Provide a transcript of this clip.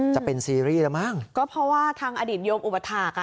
จะเป็นซีรีส์แล้วมั้งก็เพราะว่าทางอดีตโยมอุปถาคอ่ะ